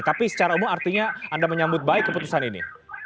tapi secara umum artinya anda menyambut baik keputusan ini